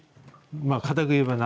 まあかたく言えばな。